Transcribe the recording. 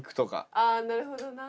ああーなるほどな。